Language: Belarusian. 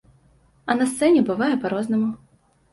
А на сцэне бывае па-рознаму.